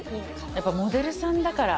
やっぱモデルさんだから。